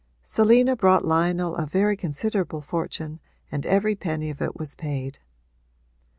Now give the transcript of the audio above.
'Selina brought Lionel a very considerable fortune and every penny of it was paid.'